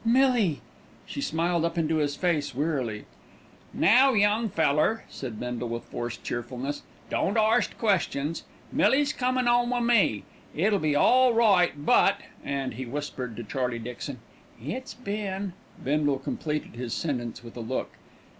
"Millie!" She smiled up into his face wearily. "Now, young feller," said Bindle with forced cheerfulness, "don't arst questions. Millie's comin' 'ome wi' me. It'll be all right, but," and he whispered to Charlie Dixon, "it's been " Bindle completed his sentence with a look.